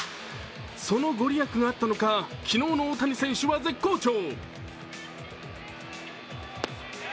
その御利益があったのか、昨日の大谷選手は絶好調。